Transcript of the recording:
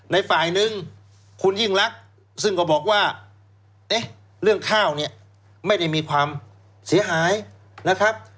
ในฝ่ายหนึ่งคุณยิ่งรักซึ่งก็บอกว่าเอ๊ะเรื่องข้าวเนี่ยไม่ได้มีความเสียหายนะครับ